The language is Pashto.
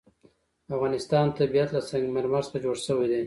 د افغانستان طبیعت له سنگ مرمر څخه جوړ شوی دی.